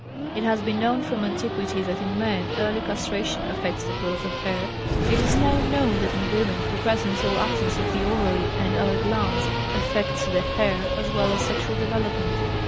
It has been known from antiquity that in men early castration affects the growth of hair. It is now known that in women the presence or absence of the ovary and, other glands affects the hair, as well as sexual development.